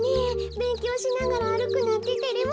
べんきょうしながらあるくなんててれますね。